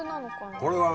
これはね